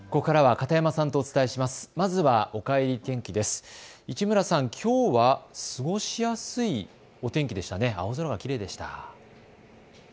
市村さん、きょうはすごしやすいお天気でしたね。